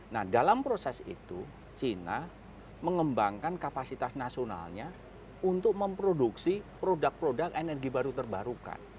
nah dalam proses itu china mengembangkan kapasitas nasionalnya untuk memproduksi produk produk energi baru terbarukan